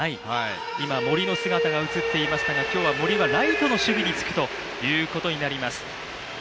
今、森の姿が映っていましたが、今日森はライトの守備につくということになります。